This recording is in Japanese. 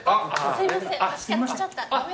すいません私から来ちゃった。